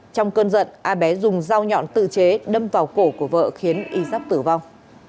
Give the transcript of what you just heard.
trong cơn giận a bé dùng dao nhọn tự chế đâm vào cổ của vợ khiến y giáp tử vong